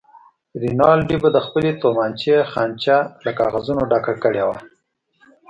رینالډي به د خپلې تومانچې خانچه له کاغذونو ډکه کړې وه.